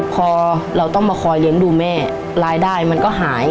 พอเราต้องมาคอยเลี้ยงดูแม่รายได้มันก็หาย